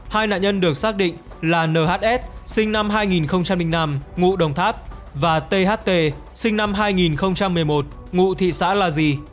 hai nạn nhân được xác định là nhs sinh năm hai nghìn năm ngụ đồng tháp và tht sinh năm hai nghìn một mươi một ngụ thị xã là di